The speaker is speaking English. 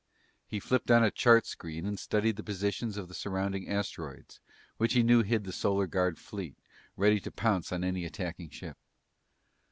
He flipped on a chart screen and studied the positions of the surrounding asteroids, which he knew hid the Solar Guard fleet, ready to pounce on any attacking ship.